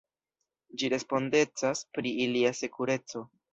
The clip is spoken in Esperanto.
Ĝi respondecas pri ilia sekureco.